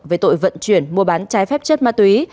về tội vận chuyển mua bán trái phép chất ma túy